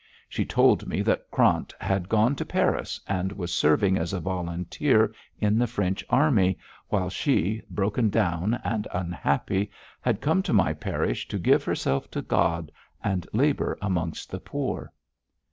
She told me that Krant had gone to Paris, and was serving as a volunteer in the French army, while she, broken down and unhappy, had come to my parish to give herself to God and labour amongst the poor.'